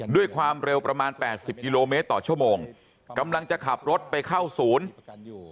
ด้วยความเร็วประมาณแปดสิบกิโลเมตรต่อชั่วโมงกำลังจะขับรถไปเข้าศูนย์อยู่